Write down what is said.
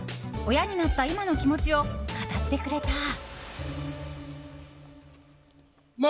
親になった今の気持ちを語ってくれた。